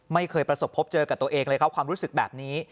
ประสบพบเจอกับตัวเองเลยครับความรู้สึกแบบนี้